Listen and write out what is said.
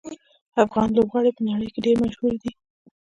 افغاني لوبغاړي په نړۍ کې ډېر مشهور دي.